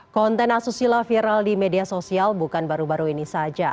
konten asusila viral di media sosial bukan baru baru ini saja